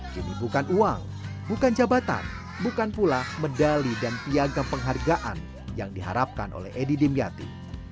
jadi bukan uang bukan jabatan bukan pula medali dan piagam penghargaan yang diharapkan oleh edi dimyati